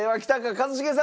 一茂さん。